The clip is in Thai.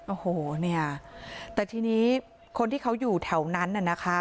โอ้โฮแต่ทีนี้คนที่เขาอยู่แถวนั้นนะคะ